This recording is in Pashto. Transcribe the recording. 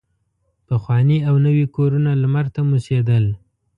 پخواني او نوي کورونه لمر ته موسېدل.